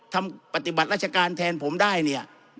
ทำปฏิบัติราชการแทนผมได้เนี่ย